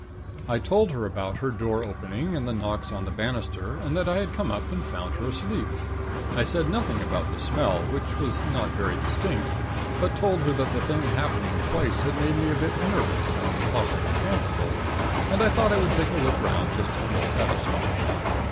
I told her about her door opening, and the knocks on the banister, and that I had come up and found her asleep. I said nothing about the smell, which was not very distinct; but told her that the thing happening twice had made me a bit nervous, and possibly fanciful, and I thought I would take a look 'round, just to feel satisfied.